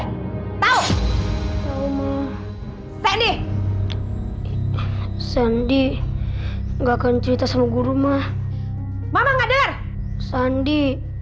fists and i ksandi nggak ke cerita seluruh rumah memang default sandi